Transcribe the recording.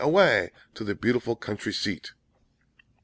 away! To the beautiful country seat!"